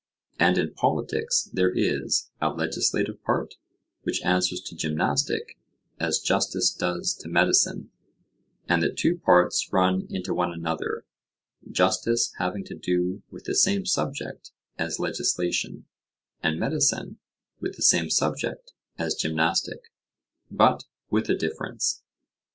And in politics there is a legislative part, which answers to gymnastic, as justice does to medicine; and the two parts run into one another, justice having to do with the same subject as legislation, and medicine with the same subject as gymnastic, but with a difference.